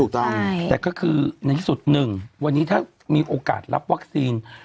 แต่ก็คือในที่สุด๑วันนี้ถ้ามีโอกาสรับวัคซีน